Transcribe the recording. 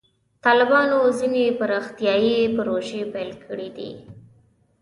طالبانو ځینې پرمختیایي پروژې پیل کړې دي.